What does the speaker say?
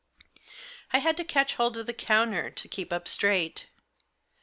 I had to catch hold of the counter to keep up straight.